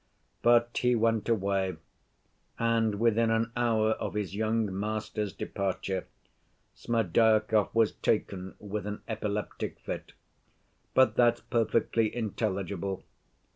"But he went away, and within an hour of his young master's departure Smerdyakov was taken with an epileptic fit. But that's perfectly intelligible.